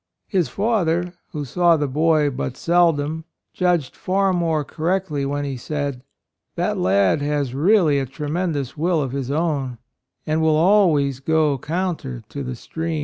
His father, who saw the boy but seldom, judged far more cor rectly when he said: "That lad has really a tremendous will of his own, and will always go counter to the stream."